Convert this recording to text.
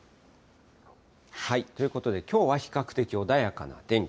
ということで、きょうは比較的穏やかな天気。